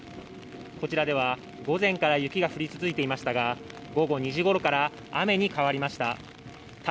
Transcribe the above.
こちらでは午前から雪が降り続いていましたが午後２時ごろから雨に変わりました。